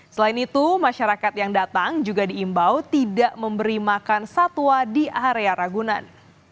selain itu masyarakat yang datang juga diimbau tidak memberi makan satwa di area ragunan